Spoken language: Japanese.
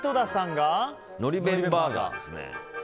のり弁バーガーですね。